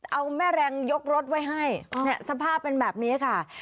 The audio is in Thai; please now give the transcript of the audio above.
เอาแม่แรงยกรถไว้ให้สภาพเป็นแบบนี้ค่ะ